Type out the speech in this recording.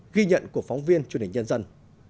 ghi nhận của phóng viên truyền hình nhân dân